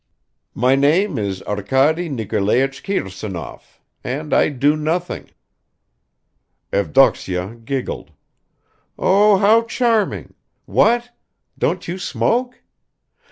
"My name is Arkady Nikolaich Kirsanov, and I do nothing." Evdoksya giggled. "Oh, how charming! What, don't you smoke?